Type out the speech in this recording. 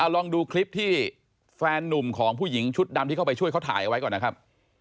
ลองดูคลิปที่แฟนนุ่มของผู้หญิงชุดดำที่เข้าไปช่วยเขาถ่ายเอาไว้ก่อนนะครับ